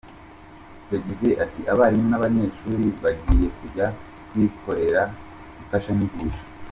Yagize ati“Abarimu n’abanyeshuri bagiye kujya bikorera imfashanyigisho.